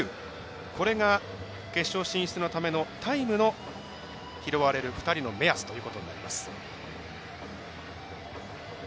これが決勝進出のためのタイムの拾われる２人の目安ということになります。